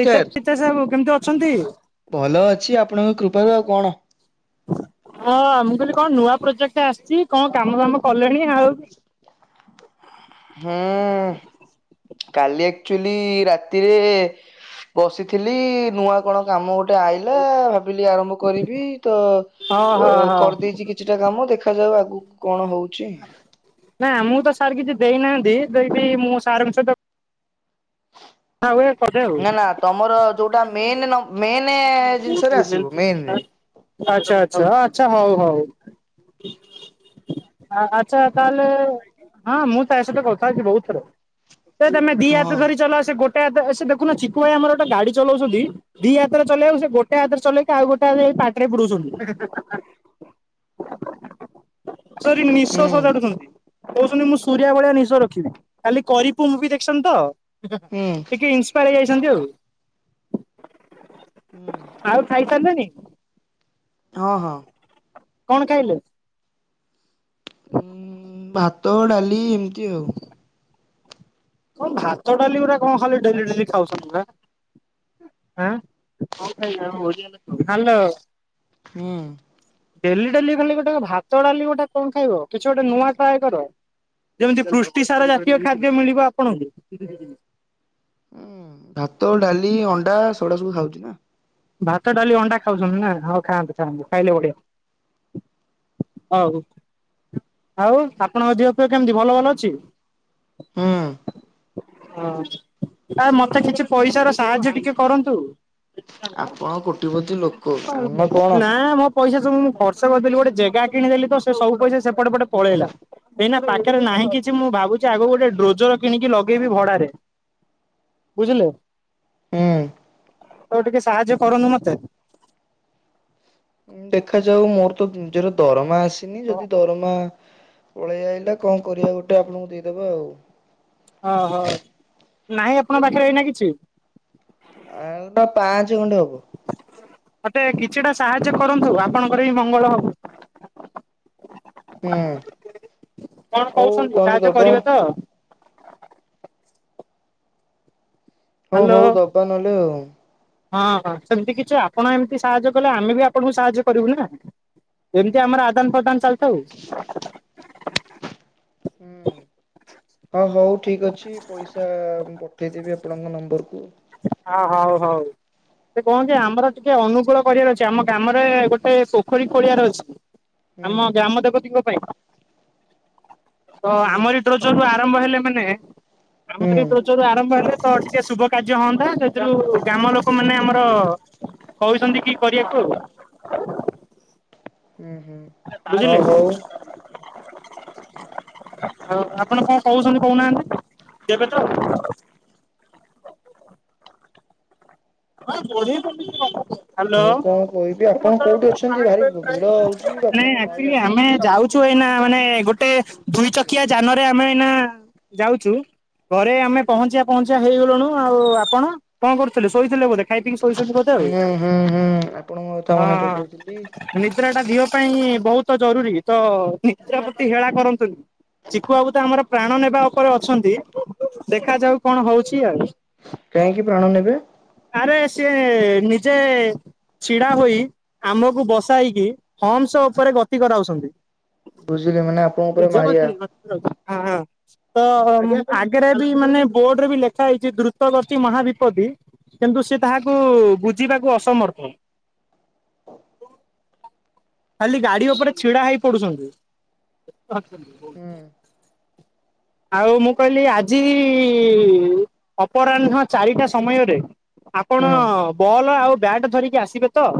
ରିତେ, ସିତେସ ବାବୁ, କେମିତି ଅଛନ୍ତି? ଭଲ ଅଛି ଆପଣଙ୍କ କୃପାରୁ ଆଉ କଣ? ହଁ। ମୁଁ କହିଲି କଣ, ନୂଆ ପ୍ରୋଜେକ୍ଟ ଆସିଛି। କଣ କାମ, ଫାମ କଲେଣି ଆଉ? ହୁଁ। କାଲି ଆକ୍ଚୁଆଲି, ରାତିରେ ବସିଥିଲି। ନୂଆ କଣ, କାମ ଗୋ ଟେ, ଆଇଲା। ଭାବିଲି ଆରମ୍ଭ କରିବି ତ, ହଁ ଓ ହଁ ହଁ କରିଦେଇଛି କିଛିଟା କାମ। ଦେଖ ଦେଖାଯାଉ ଆଗକୁ କଣ, ହଉଛି। ନା ଆମକୁ ତ ସାର୍ କିଛି ଦେଇନାହାନ୍ତି। ଦେବୀ ମୁଁ ସାର୍ଙ୍କ ସହିତ କଥା ହୁଏ କରେ ଆଉ। ନା, ନା ତମର ଯୋଉଟା, ମେନ ନ ମେନ୍ ଜିନିଷରେ ଆସିବ ମେନ୍ ରେ। ଆଚ୍ଛା, ଆଛା, ଆଚ୍ଛା ହଉ। ହଉ। ଆଛା। ତାହେଲେ ହଁ, ମୁଁ ତା ସହ କଥା ହେଇଛି, ବହୁତ ଥର। ସେ ତମେ ଦି ହାତ ହଁ। ଧରି ଚଲାଅ। ସେ ଗୋଟେ ହାତ, ସେ ଦେଖୁନ ଚିକୁ ଭାଇ ଆମର, ଗୋଟେ ଗାଡି ଚଲାଉଛନ୍ତି। ଦି ହାତରେ ଚଲେଇବକୁ, ସେ ଗୋଟେ ହାତରେ ଚଲେଇକି, ଆଉ ଗୋଟେ ହାତରେ ପାଟିରେ ପୁରାଉଛନ୍ତି। [inaudible] ସରୀ, ନିଶ ହୁଁ ସଜାଡ଼ୁଛନ୍ତି। କହୁଛନ୍ତି ମୁଁ ସୂରିଆ ଭଳିଆ, ନିଶ ରଖିବି। କାଲି କରିପୁମ୍ପ ମୁଭି ଦେଖିଛନ୍ତି ତ? ହୁଁ ଟିକେ ଇନ୍ସପାୟାର, ହେଇଯାଇଛନ୍ତି ଆଉ। ହୁଁ। ଙ୍କାଦୁନି? ହଁ, ହଁ। କଣ, କହିଲେ? ଉ' ଭାତ, ଡାଲି ଏମିତି ଆଉ। କଣ, ଭାତ ଡାଲି ଗୁଡା, କଣ ଖାଲି ଡେଲି, ଡେଲି ଖାଉଛନ୍ତି ପା? ଆ--ହ୍ୟାଲୋ। ହୁଁ। ଡେଲି, ଡେଲି ଖାଲି ଗୋଟେ, ଭାତ ଡାଲି ଗୋଟେ କଣ ଖାଇବ। କିଛି ଗୋଟେ ନୂଆ ଟ୍ରା କର? ଯେମିତି ପୃଷ୍ଟି ସାର ଜାତୀୟ, ଖାଦ୍ୟ ମିଳିବ ଆପଣଙ୍କୁ ହୁଁ ଭାତ ଡାଲି ଅଣ୍ଡା ସେଟା ସବୁ ଖାଉଛି ନା। ଭାତ, ଡାଲି, ଅଣ୍ଡା ଖାଉଛନ୍ତି ନା? ହଉ ଖାଆନ୍ତୁ, ଖାଆନ୍ତୁ ଖାଇଲେ ବଢଆ। ହଉ ଆଉ ଆପଣଙ୍କ ଧିଅ ପିଅ କେମିତି ଭଲ ଭଲ ଅଛି? ହୁଁ। ହଁ ଆ ମତେ କିଛି ପଇସାର ସାହାଯ୍ୟ ଟିକେ କରନ୍ତୁ? ଆପଣ କୋଟିପତି ଲୋକ ଆମେ କଣ ନା ମୋ ପଇସା ସବୁ ମୁଁ ଖର୍ଚ୍ଚ କରିଦେଲି ଗୋଟେ ଜେଗା କିଣିଦେଲି ତ ସେ ସବୁ ପଇସା ସେପ ପଟ ପଟେ ପଳେଇଲା। ଏଇନା ପାଖରେ ନାହିଁ କିଛି ମୁଁ ଭାବୁଛି ଆଗକୁ ଗୋଟେ ଡ୍ରୋଜର କିଣିକି ଲଗେଇବି ଭଡାରେ। ହଁ ବୁଝିଲେ? ହୁଁ। ତ ଟିକେ ସାହାଯ୍ୟ କରନ୍ତୁ ମତେ? ଉଁ ଦେଖାଯାଉ ମୋର ତ ନିଜର ଦରମା ଆସିନି, ଯଦି ଦରମା ପଳେଇ ଆଇଲା କଣ କରିବା ଗୋଟେ ଆପଣଙ୍କୁ ଦେଇଦବା ଆଉ। ଓହୋ ନାହିଁ ଆପଣଙ୍କ ପାଖରେ ଏଇନା କିଛି। ପାଞ୍ଚ ଖଣ୍ଡେ ହବ। ମତେ କିଛିଟା ସାହାଯ୍ୟ କରନ୍ତୁ, ଆପଣଙ୍କର ବିି ମଙ୍ଗଳ ହବ। ହୁଁ କଣ ହଉ କହୁଛନ୍ତି ତାହେଲେ ସାହାଯ୍ୟ ଦବା। କରିବେ ତ? ହଉ ହ୍ୟାଲୋ ହଉ ଦବା ନହେଲେ ଆଉ। ହଁ ହଁ ସେମତି କିଛି ଆପଣ ଏମତି ସାହାଯ୍ୟ କଲେ, ଆମେ ବି ଆପଣଙ୍କୁ ସାହାଯ୍ୟ କରିବୁ ନା। ହୁଁ ଏମତି ହୁଁ ଆମର ଆଦାନ ପ୍ରଦାନ ଚାଲିଥାଉ। ହୁଁ। ହ ହଉ ଠିକ ଅଛି ପଇସା ମୁଁ ପଠେଇଦେବି ଆପଣଙ୍କ ନମ୍ବରକୁୁ। ହଁ ହଉ ହଉ। ସେ କଣ କି ଆମର ଟିକେ ଅନୁକୂଳ କରିବାର ଅଛି। ଆମ ଗ୍ରାମରେ ଗୋଟେ ପୋଖରୀ ଖୋଳିବାର ଅଛି। ହୁଁ ଆମ ଗ୍ରାମ ଦେବତୀଙ୍କ ପାଇଁ। ତ ହୁଁ ଆମରି ଡ୍ରୋଜରରୁ ଆରମ୍ଭ ହେଲେ ମାନେ, ହୁଁ ଆମରି ଡ୍ରୋଜରରୁ ଆରମ୍ଭ ହେଲେ ତ ଟିକେ ଶୁଭ କାର୍ଯ୍ୟ ହଅନ୍ତା, ସେଥିରୁ ଗ୍ରାମ ଲୋକମାନେ ଆମର କହୁଛନ୍ତି କି କରିବାକୁ ଆଉ। ହୁଁ ହୁଁ ହଉ ହଉ ଆଉ ଆପଣ କଣ କହୁଛନ୍ତି କହୁନାହାଁନ୍ତି। ଦେବେ ତ? [inaudible] ହ୍ୟାଲୋ। ମୁଁ କଣ କହିବି ଆପଣ କୋଉଠି ଅଛନ୍ତି ଭାରି ଭିଡ ହଉଛି ଆପଣଙ୍କ ନଏଜ ନାଇଁ ଆକଚୁଆଲି ଆସୁନି। ଆମେ ଯାଉ ଚୁ ଏଇନା ମାନେ ଗୋଟେ ଦୁଇ ଚକିଆ ଯାନରେ ଆମେ ଏଇନା ଯାଉଚୁ ଘରେ ଆମେ ପହଞ୍ଚିଆ ପହଞ୍ଚିଆ ହେଇଗଲୁଣୁ। ଆଉ ଆପଣ କଣ କରୁ ଥିଲେ? ଶୋଇଥିଲେ ବୋଧେ ଖାଇ ପିଇକି ଶୋଇଛନ୍ତି ବୋଧେ ହୁଁ ଆଉ। ହୁଁ ହୁଁ ଆପଣଙ୍କ କଥା ହଁ ମନେ ପକଉଥିଲି। ହଁ ନିଦ୍ରାଟା ଧିଅ ପାଇଁ ବହୁତ ଜରୁରୀ। ତ ନିଜ ପ୍ରତି ହେଳା କରନ୍ତୁନି। ଚିକୁ ବାବୁ ତ ଆମର ପ୍ରାଣ ନେବା ଉପରେ ଅଛନ୍ତି, ଦେଖାଯାଉ କଣ ହଉଛି ଆଉ। କାହିଁକି ପ୍ରାଣ ନେବେ? ଆରେ ସିଏ ନିଜେ ଛିଡା ହୋଇ, ଆମକୁ ବସାଇକି ହମ୍ସ ଉପରେ ଗତି କରାଉସନ୍ତି। ବୁଝିଲି ମାନେ ଆପଣଙ୍କ ପୁରା ମାହାରିଆ [unintelligible] ହଁ ହଁ। ତ ଆଗରେ ବି ମାନେ ବୋର୍ଡ ରେ ବି ଲେଖା ହେଇଛି ଦ୍ରୁତ ଗତି ମହାବିପତ୍ତି। କିନ୍ତୁ ସିଏ ତାହାକୁ ବୁଝିବାକୁ ଅସମର୍ଥ। ଖାଲି ଗାଡି ଉପରେ ଛିଡା ହେଇ ପଡୁଛନ୍ତି। ହୁଁ ଆଉ ମୁଁ କହିଲି ଆଜି ଇ ଅପରାହ୍ନ ଚାରିଟା ସମୟରେ ଆପଣ ହୁଁ ବଲ୍ ଆଉ ବ୍ୟାଟ୍ ଧରିକି ଆସିବେ ତ?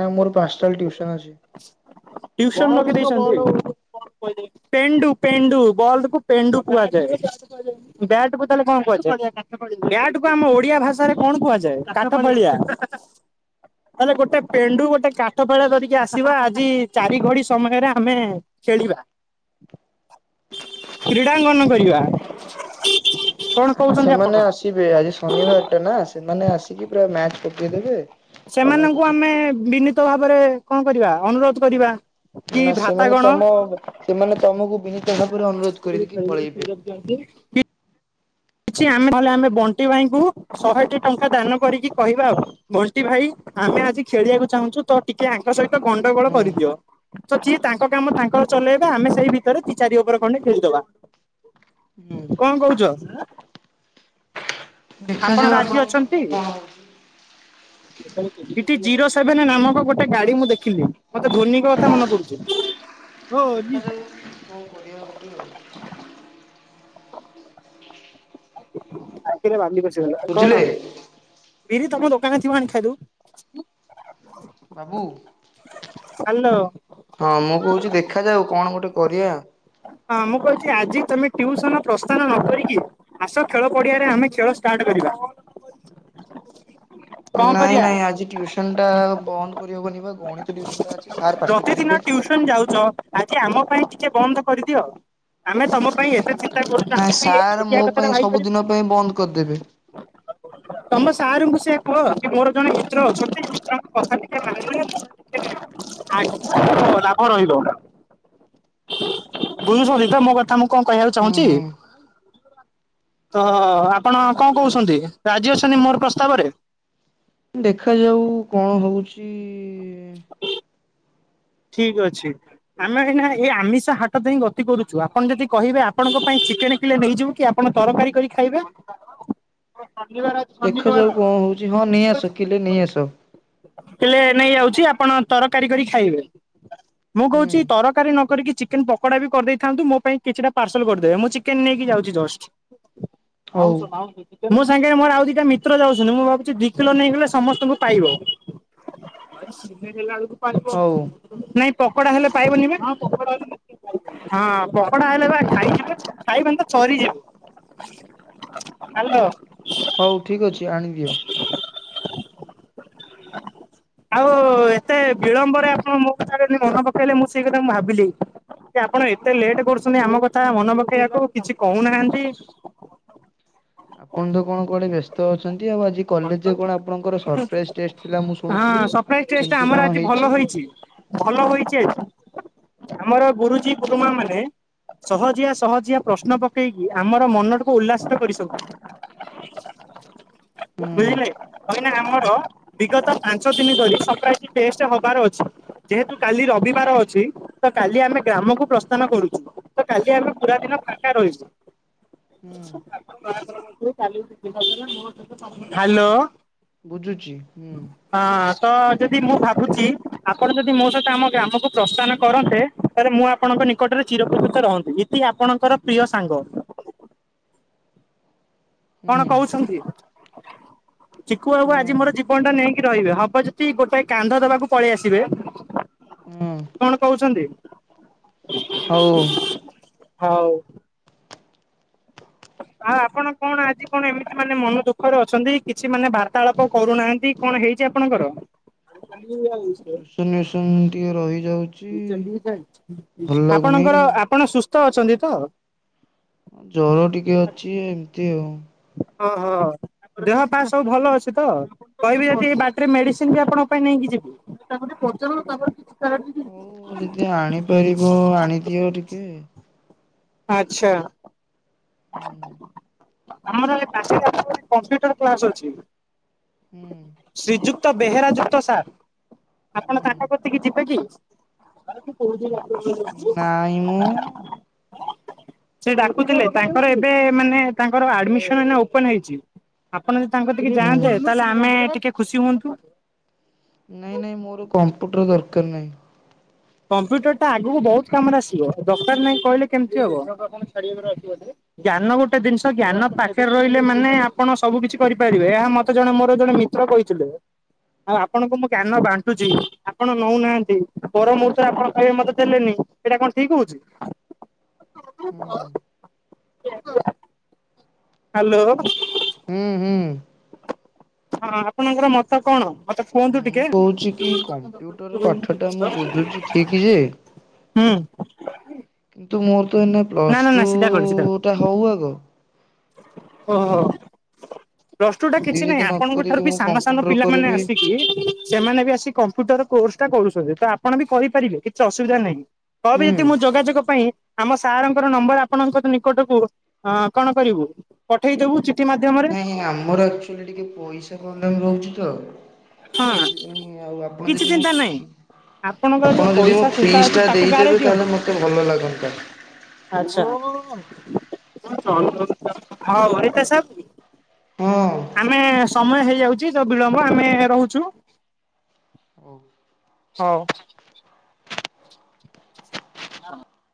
ନା ମୋର ପାଞ୍ଚଟା ବେଳେ ଟିଉସନ ଅଛି। ଟିଉସନ୍ ରଖିଦେଇଛନ୍ତି? ପେଣ୍ଡୁ ପେଣ୍ଡୁ ବଲକୁ ପେଣ୍ଡୁ କୁହାଯାଏ। ବ୍ୟାଟକୁ ତାହେଲେ କଣ କୁହାଯାଏ? ବ୍ୟାଟକୁ ଆମ ଓଡିଆ ଭାଷାରେ କଣ କଣ କୁହାଯାଏ କାଠ ଫାଳିଆ। ଆରେ ଗୋଟେ ପେଣ୍ଡୁ ଗୋଟେ କାଠ ଫାଳିଆ ଧରିକି ଆସିବା ଆଜି ଚାରି ଘଡି ସମୟରେ ଆମେ ଖେଳିବା। କ୍ରୀଡ଼ାଙ୍ଗନ କରିବା। କଣ ଆଜି କହୁଛନ୍ତି ଆପଣ? ସେମାନେ ଆସିବେ ଆଜି ଶନିବାର ଟା ନା ସେମାନେ ଆସିକି ପୁରା ମ୍ୟାଚ ପକେଇଦେବେ ତମେ ସେମାନଙ୍କୁ କିଛି ଆମେ ବିନୀତ ଭାବରେ କଣ କରିବା ଅନୁରୋଧ କରିବା। କି ନା ସେମାନେ ଭ୍ରାତାଗଣ ତମ ସେମାନେ ତମକୁ ବିନୀତ ଭାବରେ ଅନୁରୋଧ କରିଦେଇକି ପଳେଇବେ। [unintelligible] କିଛି ଆମେ ନ ହେଲେ, ଆମେ ବଣ୍ଟି ଭାଇଙ୍କୁ, ଶହେଟି ଟଙ୍କା ଦାନ କରିକି କହିବା ଆଉ ବଣ୍ଟି ଭାଇ ଆମେ ଆଜି ଖେଳିବାକୁ ଚାହୁଁଛୁ, ତ ଟିକେ ଆଙ୍କ ସହିତ ଗଣ୍ଡଗୋଳ ହୁଁ କରିଦିଅ। ତ ସିଏ ତାଙ୍କ କାମ ତାଙ୍କର ଚଲେଇବେ ଆମେ ସେଇ ଭିତରେ ଦି ଚାରି ଓଭର ଖଣ୍ଡେ ଖେଳିଦବା। ହୁଁ କଣ କହୁଛ? ଆପଣ ଦେଖାଯାଉ ରାଜି ଆପଣଙ୍କ ଅଛନ୍ତି? କଥା କଣ ହଉଛି। ଇଠି ଜିରୋ ସେଭେନ ନାମକ ଗୋଟେ ଗାଡି ମୁଁ ଦେଖିଲି, ମତେ ଧୋନିଙ୍କ କଥା ମନେ ପଡୁଛି। ଧୋନି! ଦେଖାଯାଉ କଣ କରିବା ଗୋଟେ ଆଉ। ଆଖିରେ ବାଲି ପଶିଗଲା, କଣ? ବୁଝିଲେ ବିରି ତମ ଦୋକାନରେ ଥିବ ଆଣିକି ଖାଇଦବୁ। ବାବୁ। ହାଲୋ। ହଁ ମୁଁ କହୁଛି, ଦେଖାାଯାଉ, କଣ ଗୋଟେ କରିଆ? ହଁ ମୁଁ କହୁଛି ଆଜି ତମେ ଟ୍ୟୁସନ ପ୍ରସ୍ଥାନ ନ କରିକି ଆସ ଖେଳ ପଡିଆରେ ଆମେ ଖେଳ ଷ୍ଟାଟ୍ କରିବା। କଣ ନାଇଁ କରିବା ନାଇଁ ଆଜି ଟିଉସନ ଟା ବନ୍ଦ କରିହବନି ବା। ଗଣିତ ଟ୍ୟୁସନ ଟା ଅଛି ସାର୍ ପାଟି କରିବେ। ପ୍ରତିଦିନ ଟିଉସନ ଯାଉଛ, ଆଜି ଆମ ପାଇଁ ଟିକେ ବନ୍ଦ କରିଦିଅ ଆମେ ତମ ପାଇଁ ଏବେ ନାଇଁ [unintelligible] ପାଇଁ ଏଇ ସାର୍ ମୋ ଛୋଟିଆ କଥାଟା ପାଇଁ ଭାବି ସବୁଦିନ ପାରିବ ପାଇଁ ବନ୍ଦ କରିଦେବେ ନାଇଁ। ତମ ସାରଙ୍କୁ ସେଇଆ କୁହ କି ମୋର ଜଣେ ମିତ୍ର ଅଛନ୍ତି୍ ତାଙ୍କ କଥା ଟିକେ ମାନିନିଅନ୍ତୁ। [unintelligible] ଲାଭ ରହିବ। ବୁଝୁଛନ୍ତି ତ ମୋ କଥା ମୁଁ କଣ କହିବାକୁ ହୁଁ ଚାହୁଁଛି? ହୁଁ। [inaudible] ତ ଆପଣ କଣ କହୁଛନ୍ତି ରାଜି ଅଛନ୍ତି ମୋର ପ୍ରସ୍ତାବରେ? କି ଠିକ ଅଛି, ଆମେ ଏଇନା ଏଇ ଆମିଷା ହାଟ ଦେଇ ଗତି କରୁଛୁ, ଆପଣ ଯଦି କହିବେ ଆପଣଙ୍କ ପାଇଁ ଚିକେନ କିଲେ ନେଇଯିବୁ କି ଆପଣ ତରକାରୀ କରି ଖାଇବେ? ଦେଖାଯାଉ କଣ ହଉଛି, ହଁ ନେଇ ଆସ କିଲେ ନେଇ ଆସ। ହେଲେ ନେଇଯାଉଛି ଆପଣ ତରକାରୀ କରି ଖାଇବେ, ମୁଁ ହୁଁ। କହୁଛି ତରକାରୀ ନ କରିକି ଚିକେନ ପକୋଡା ବି କରିଦେଇଥାନ୍ତୁ, ମୋ ପାଇଁ କିଛିଟା ପାର୍ସଲ କରିଦେବେ, ମୁଁ ଚିକେନ ନେଇକି ଯାଉଛି ଜଷ୍ଟ। ହଉ ମାଉଁସ ମାଉଁସ। ମୋ ସାଙ୍ଗରେ ମୋର ଆଉ ଦିଟା ମିତ୍ର ଯାଉଛନ୍ତି, ମୁଁ ଭାବୁଛି ଦି କିଲୋ ନେଇଗଲେ ସମସ୍ତଙ୍କୁ ପାଇବ। ଆରେ ସିଙ୍ଗଲ ହେଲାଳକୁ ପାଇବ। ହଉ ନାଇଁ ପକୋଡ଼ା ହେଲେ ପାଇବନି ବା ହଁ ପକୋଡା ହେଲେ ବା ଖାଇଯିବେ, ଖାଇବେନି ତ ଚରିଯିବେ। ହାଲୋ। ହଉ ଠିକ ଅଛି ଆଣିଦିଅ। ଆଉ ଏତେ ବିଳମ୍ବରେ ଆପଣ ମୋ କଥା ଟି ମନେ ପକେଇଲେ ମୁଁ ସେଇ କଥା ମୁଁ ଭାବିଲି। ଆପଣ ଏତେ ଲେଟ୍ କରୁଛନ୍ତି, ଆମ କଥା ମନେ ପକେଇବାକୁ କିଛି କହୁନାହାନ୍ତି। ଆପଣ ତ କଣ କୁଆଡେ ବ୍ୟସ୍ତ ଅଛନ୍ ନ୍ତି ଆଉ ଆଜି କଲେଜରେ କଣ ଆପଣଙ୍କର ସରପ୍ରାଇଜ ଟେଷ୍ଟ ଥିଲା ମୁଁ ଶୁଣୁଥିଲି, ହଁ ସରପ୍ରାଇଜ ଟେଷ୍ଟ ଟା କେମତି ଆମର କଣ ଆଜି ଭଲ ହେଇଛି? ହୋଇଛି। ଭଲ ହୋଇଛି ଆଜି, ଆମର ଗୁରୁଜୀ ଗୁରୁମାମାନେ ସହଜିଆ, ସହଜିଆ ପ୍ରଶ୍ନ ପକେଇକି ଆମର ମନଟିକୁ ଉଲ୍ଲାସିତ କରିଛନ୍ତି। [inaudible] ବୁଝିଲେ, କାହିଁକିନା ଆମର ବିଗତ ପାଞ୍ଚ ଦିନ ଧରି ସରପ୍ରାଇଜ୍ ଟେଷ୍ଟ୍ ହବାର ଅଛି। ଯେହେତୁ କାଲି ରବିବାର ଅଛି, ତ କାଲି ଆମେ ଗ୍ରାମକୁ ପ୍ରସ୍ଥାନ କରୁଛୁ। ତ କାଲି ଆମେ ପୁରା ଦିନ ଫାଙ୍କା ରହିବୁ। ହୁଁ [inaudible] କାଲି ଦିନ ଥିଲା ମୋ ସହିତ ହାଲୋ, ବୁଝୁଛି ହୁଁ ହଁ ତ ଯଦି ମୁଁ ଭାବ୍ ଭାବୁଚି, ଆପଣ ଯଦି ମୋ ସହିତ ଆମ ଗ୍ରାମକୁ ପ୍ରସ୍ଥାନ କରନ୍ତେ ତାହେଲେ ମୁଁ ଆପଣଙ୍କ ନିକଟରେ ଚିର [inaudible] ରହନ୍ତି ଇତି ଆପଣଙ୍କର ପ୍ରିୟ ସାଙ୍ଗ। [unintelligible] ହୁଁ କଣ କହୁଛନ୍ତି, ଚିକୁବାବୁ ଆଜି ମୋର ହଁ ଜୀବନଟା ନେଇ କି ରହିବେ ହବ ଯଦି ଗୋଟାଏ କାନ୍ଧ ଦବାକୁ ପଳେଇ ଆସିବେ, ହଁ। କଣ କହୁଛନ୍ତି? ହଉ। ହଉ। ଆଉ ଆପଣ କଣ ଆଜି କଣ ଏମିତି ମାନେ ମନ ଦୁଃଖରେ ଅଛନ୍ତି କିଛି ମାନେ ବାର୍ତ୍ତାଳାପ କରୁନାହାନ୍ତି? କଣ ହେଇଛି ଆପଣଙ୍କର? [inaudible] ସୁନସୁନ ଟିକେ ରହି ଲାଗୁନି। ଆପଣଙ୍କର ଆପଣ ସୁସ୍ଥ ଅଛନ୍ତି ତ? ଜର ଟିକେ ଅଛି ଏମତି ଆଉ। ହଁ- ହଁ। ଦେହପା ସବୁ ଭଲ ଅଛି ତ? କହିବି ଯଦି ଏ ବାଟରେ ମେଡିସିନ ବି ଆପଣଙ୍କ ପାଇଁ ନେଇକି ଯିବି। ତାକୁ ଟିକେ ପଚାରନ୍ତୁ ତାଙ୍କର କିଛି ହଉ ଯଦି ଆଣିପାରିବ ଆଣିଦିଅ ଟିକେ। ଆଚ୍ଛା। ହୁଁ। ଆମର ଏ ପାଖରେ ଅଛୁ ବୋଲି କମ୍ପୁଟର କ୍ଲାସ ଅଛି। ହୁଁ। କ୍ତ ବେହେରା ଯୁକ୍ତ ସାର୍, ଆପଣ ହୁଁ ତାଙ୍କ କତିକି ଯିବେ କି? ନାଇଁମ ସେ ଡାକୁଥିଲେ ତାଙ୍କର ଏବେ ମାନେ ତାଙ୍କର ଆଡ଼ମିଶନ୍ ଏଇନେ ଓପନ୍ ହେଇଛି, ଆପ୍ ଆପଣ ଯଦି ତାଙ୍କ କତିକି ହୁଁ ଯାଆନ୍ତେ ତାହେଲେ ଆମେ ଟିକେ ଖୁସି ହୁଅନ୍ତୁ। ନାଇଁ ନାଇଁ ମୋର କମ୍ପ୍ୟୁଟର ଦରକାର ନାଇଁ। କମ୍ପୁଟରଟା ଆଗକୁ ବହୁତ କାମରେ ଆସିବ ଦରକାର ନାହିଁ କହିଲେ କେମିତି ହବ। ଜ୍ଞାନ ଗୋଟେ ଜିନିଷ ଜ୍ଞାନ ପାଖରେ ରହିଲେ ମାନେ ଆପଣ ସବୁ କିିଛି କରିପାରିବେ ଏହା ମତେ ଜଣେ ମୋର ଜଣେ ମି ମିତ୍ର କହିଥିଲେ ଆଉ ଆପଣଙ୍କୁ ମୁଁ ଜ୍ଞାନ ବାଣ୍ଟୁଛି ଆପଣ ନଉନାହାନ୍ତି ପର ମୁହୂର୍ତ୍ତ [inaudible] ଆପଣ କହିବେ ମତେ ଦେଲେନି ଏଇଟା କଣ ଠିକ ହଉଛି? ହୁଁ। ହାଲୋ। ହୁଁ-ହୁଁ। ହଁ ଆପଣଙ୍କର ମତ କଣ? ମତେ କୁହନ୍ତୁ ମୁଁ ଟିକେ? କହୁଛି କି କମ୍ପ୍ୟୁଟର ପାଠ ଟା ମୁଁ ବୁଝୁଛି ଠିକ ଯେ ହୁଁ। କିନ୍ତୁ ମୋର ତ ଏଇନ ନା ପ୍ଲସ୍ ନା ନା ଟୁଉ-ଉ-ଉ ଟା ହଉ ଆଗ ଓହୋଃ। ପ୍ଲସ୍ ଟୁ ଟା କିଛି ସେତିକି ନାହିଁ ଯଦି ନ ଆପଣଙ୍କ ଠାରୁ କରିକି ବି ମୁଁ ସାନ ସାନ କମ୍ପ୍ୟୁଟର ପିଲାମାନେ କରିବି ଆସିକି ସେମାନେ ବି ଆସି କମ୍ପ୍ୟୁଟର୍ କୋର୍ସ୍ ଟା କରୁଛନ୍ତି, ତ ଆପଣ ବି କହିପାରିବେ, କିଛି ଅସୁବିଧା ନାହିଁ। କହିବେ ଯଦି ହୁଁ। ମୁଁ ଯୋଗାଯୋଗ ପାଇଁ ଆମସ୍ ସାରଙ୍କର ନମ୍ବର ଆପଣଙ୍କ କ ନିକଟକୁ କଣ କରିବୁ ପଠେଇଦେବୁ ଚି ନାଇଁ ଆମର ଆକ୍ଚୁଆଲି ଟିକେ ପଇସା ପ୍ରୋବ୍ଲେମ୍ ରହୁଛି ତ। ହଁ ସେଥିଇ ପାଇଁ ଆଉ ଆପଣ କିଛି ଯଦି ମୋ ଚିନ୍ତା ନାହିଁ ଫି ଆପଣଙ୍କର ଯୋଉ ଆପଣ ଯଦି ମୋ ପଇସା ଚିନ୍ତା ଫିସ୍ ଅଛି ଟା ତାକୁ ଦେଇଦେବେ ତାହେଲେ ମତେ ଭଲ ଲାଗନ୍ତା। ଆଛା ହଁ [inaudible] ଓରିତା ସବ। ଆମେ ସମୟ ହେଇଯାଉଚି ଯୋଉ ବିଳମ୍ବ ଆମେ ରହୁଚୁ। ଓଃ। ହଉଛି। [inaudible]